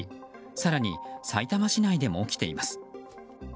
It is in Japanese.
更に、さいたま市内でも起きています。